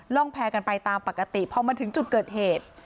ร่องแพรกันไปตามปกติพอมาถึงจุดเกิดเหตุ